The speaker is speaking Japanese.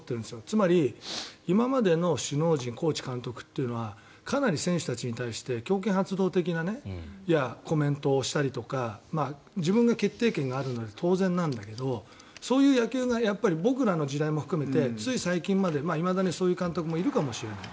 つまり今までの首脳陣コーチ、監督というのはかなり選手たちに対して強権発動的なコメントをしたりとか自分が決定権があるので当然なんだけどそういう野球が僕らの時代も含めてつい最近までいまだにそういう監督もいるかもしれない。